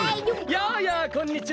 やあやあこんにちは。